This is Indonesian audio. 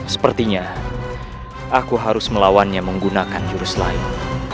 sepertinya aku harus melawannya menggunakan jurus lain